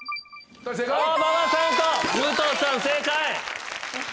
馬場さんと武藤さん正解。